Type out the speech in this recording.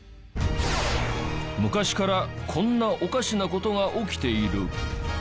昔からこんなおかしな事が起きている。